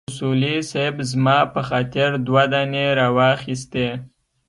اصولي صیب زما په خاطر دوه دانې راواخيستې.